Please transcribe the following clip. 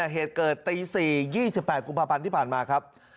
เหตุเกิดตี๔๒๘กุมภาพันธ์ที่ผ่านมาครับ